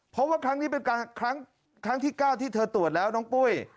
เพราะว่าครั้งนี้เป็นครั้งที่๙ที่เธอตรวจแล้วน้องปุ้ย